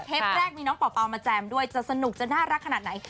แรกมีน้องเป่ามาแจมด้วยจะสนุกจะน่ารักขนาดไหน